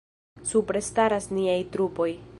Supre staras niaj trupoj.